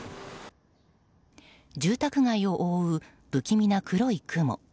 住宅街を覆う不気味な黒い雲。